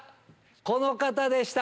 この方でした！